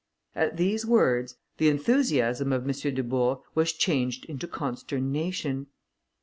At these words, the enthusiasm of M. Dubourg was changed into consternation.